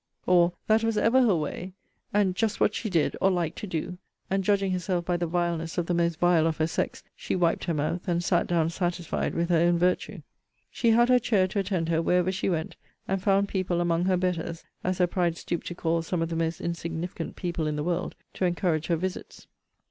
or, That was ever her way; and Just what she did, or liked to do; and judging herself by the vileness of the most vile of her sex, she wiped her mouth, and sat down satisfied with her own virtue. She had her chair to attend her wherever she went, and found people among her betters, as her pride stooped to call some of the most insignificant people in the world, to encourage her visits.